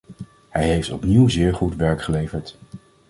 Hij heeft opnieuw zeer goed werk geleverd.